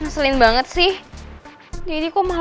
jadi aku mau tidur sebentar